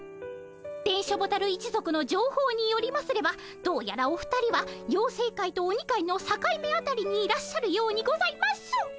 電書ボタル一族のじょうほうによりますればどうやらお二人はようせい界と鬼界のさかい目あたりにいらっしゃるようにございます。